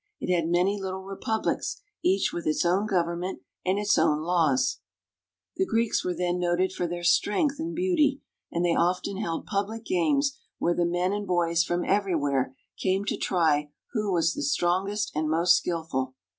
It had many little republics, each with its own government and its own laws. IN MODERN GREECE. 383 The Greeks were then noted for their strength and beauty, and they often held public games where the men and boys from everywhere came to try who was the strong est and most skillful.